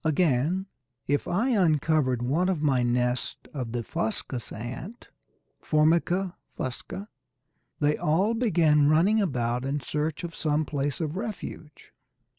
Again, if I uncovered one of my nests of the Fuscous ant (Formica fusca), they all began running about in search of some place of refuge.